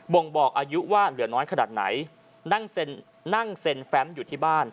่งบอกอายุว่าเหลือน้อยขนาดไหนนั่งเซ็นแฟมอยู่ที่บ้าน